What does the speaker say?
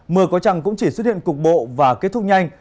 mưa có chăng cũng chỉ xuất hiện cục bộ và kết thúc nhanh